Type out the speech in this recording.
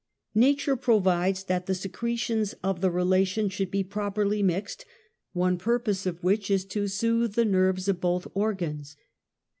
TTature provides that the secretions of the relation should be properly mixed, one purpose of which is to sooth the nerves of both organs.